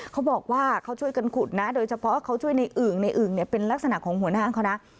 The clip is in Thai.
เขาบอกว่าเขาช่วยกันขุดนะโดยเฉพาะเขาช่วยในอึ่งในอึ่งเนี่ยเป็นลักษณะของหัวหน้าเขานะ